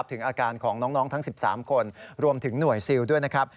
ถึงอาการของน้องทั้ง๑๓คนรวมถึงหน่วยซิลด้วยนะครับ